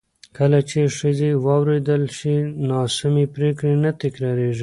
کله چې ښځې واورېدل شي، ناسمې پرېکړې نه تکرارېږي.